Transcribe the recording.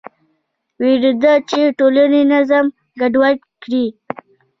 وېرېدل چې ټولنې نظم ګډوډ کړي.